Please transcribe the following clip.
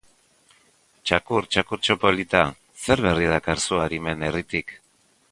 Txakur, txakurtxo polita, zer berri dakarzu arimen herritik?